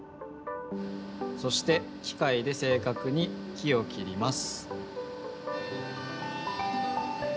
そしてきかいで正かくに木を切ります。